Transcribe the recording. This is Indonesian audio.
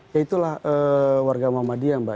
ya itulah warga muhammadiyah mbak